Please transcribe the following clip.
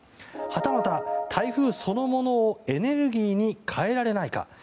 はたまた、台風そのものをエネルギーに変えられないか。